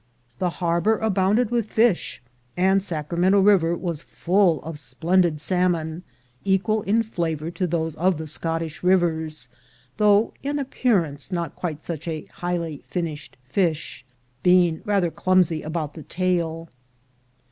The harbor abounded with fish, and the Sac ramento river was full of splendid salmon, equal in flavor to those of the Scottish rivers, though in ap pearance not quite such a highly finished fish, being rather clumsy about the tail.